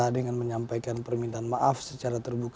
dengan menyampaikan permintaan maaf secara terbuka